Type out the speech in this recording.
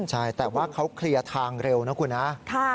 ใช่แต่ว่าเขาเคลียร์ทางเร็วนะคุณนะ